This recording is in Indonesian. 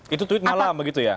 itu tweet malam begitu ya